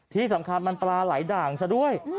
ที่สำคัญมันปลาไหลด่างซะด้วย